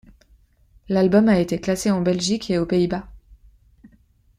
L'album a été classé en Belgique et aux Pays-Bas.